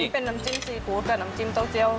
เป็นน้ำจิ้มซีฟู้ดกับน้ำจิ้มเต้าเจียว